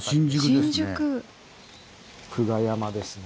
久我山ですね。